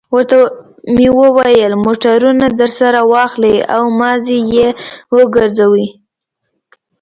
ورته مې وویل: موټرونه درسره واخلئ او مازې یې وګرځوئ.